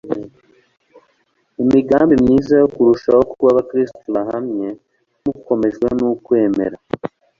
imigambi myiza yo kurushaho kuba abakristu bahamye mukomejwe n'ukwemera